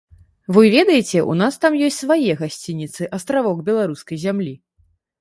Вы ведаеце, у нас там ёсць свае гасцініцы, астравок беларускай зямлі.